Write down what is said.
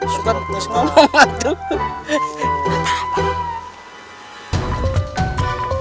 suka terus ngomong aduh